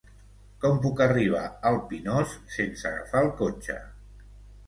Com puc arribar al Pinós sense agafar el cotxe?